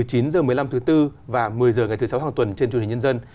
một mươi chín h một mươi năm thứ tư và một mươi h ngày thứ sáu hàng tuần trên truyền hình nhân dân